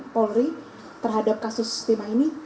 polri terhadap kasus timah ini